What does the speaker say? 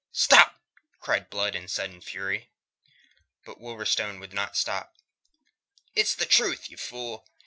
"Stop!" cried Blood in sudden fury. But Wolverstone would not stop. "It's the truth, you fool.